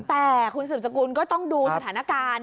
แต่คุณสืบสกุลก็ต้องดูสถานการณ์